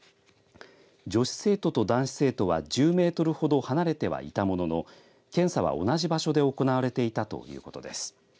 女子生徒と男子生徒は１０メートルほど離れてはいたものの検査は同じ場所で行われていたということです。